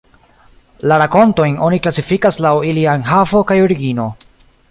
La rakontojn oni klasifikas laŭ ilia enhavo kaj origino.